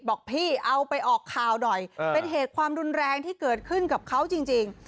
บอกพี่เอาไปออกข่าวหน่อยเป็นเหตุความรุนแรงที่เกิดขึ้นกับเขาจริง